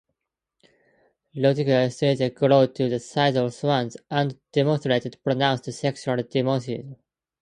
Rodrigues solitaires grew to the size of swans, and demonstrated pronounced sexual dimorphism.